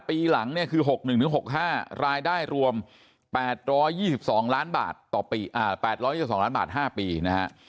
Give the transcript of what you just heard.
๕ปีหลังเนี่ยคือ๖๑๖๕รายได้รวม๘๒๒ล้านบาท๕ปีนะฮะ